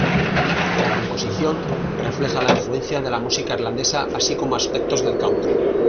La composición refleja la influencia de la música irlandesa, así como aspectos del "country".